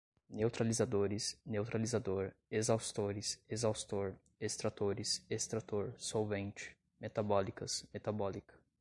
neutralizadores, neutralizador, exaustores, exaustor, extratores, extrator, solvente, metabólicas, metabólica